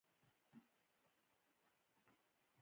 خلاقیت او هنر خو یې لا لرې خبره ده.